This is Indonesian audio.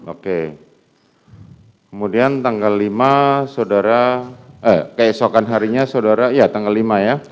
oke kemudian tanggal lima saudara eh keesokan harinya saudara ya tanggal lima ya